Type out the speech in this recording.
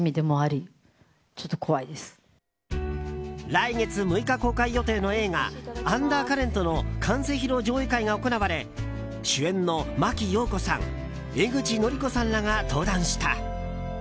来月６日公開予定の映画「アンダーカレント」の完成披露上映会が行われ主演の真木よう子さん江口のりこさんらが登壇した。